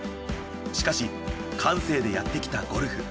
しかし感性でやってきたゴルフ。